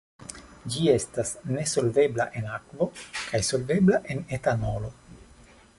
Ĝi estas nesolvebla en akvo kaj solvebla en etanolo.